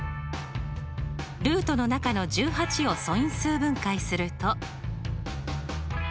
ルートの中の１８を素因数分解すると。